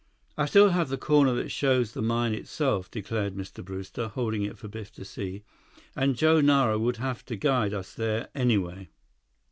"I still have the corner that shows the mine itself," declared Mr. Brewster, holding it for Biff to see. "And Joe Nara would have to guide us there anyway."